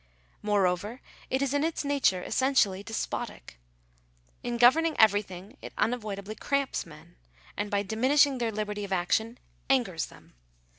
Moreover it is in its nature essentially de spotic. In governing everything it unavoidably cramps men ; and, by diminishing their liberty of action, angers them.